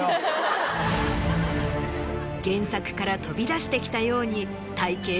原作から飛び出してきたように。